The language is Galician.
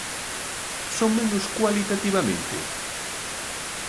¿Son menos cualitativamente?